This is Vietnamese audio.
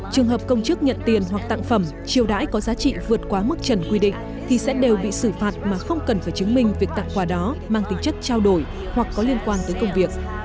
trường hợp công chức nhận tiền hoặc tặng phẩm chiều đãi có giá trị vượt quá mức trần quy định thì sẽ đều bị xử phạt mà không cần phải chứng minh việc tặng quà đó mang tính chất trao đổi hoặc có liên quan tới công việc